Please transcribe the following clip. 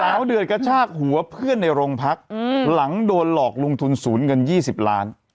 เดือดกระชากหัวเพื่อนในโรงพักหลังโดนหลอกลงทุนศูนย์เงิน๒๐ล้าน